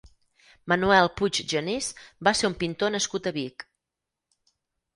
Manuel Puig Genís va ser un pintor nascut a Vic.